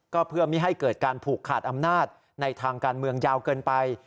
ก็เพื่อไม่ให้เกิดการผูกขาดอำนาจในทางการเมืองยาวเกินไป